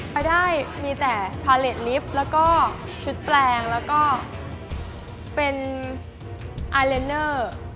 ไปได้มีแต่พาเลสลิฟต์แล้วก็ชุดแปลงแล้วก็เป็นอาเลนเนอร์